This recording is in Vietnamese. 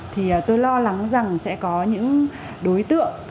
thì tôi lo lắng rằng sẽ có những đối tượng